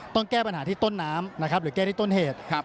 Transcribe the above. แก้ปัญหาที่ต้นน้ำนะครับหรือแก้ที่ต้นเหตุ